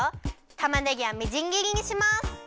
たまねぎはみじんぎりにします。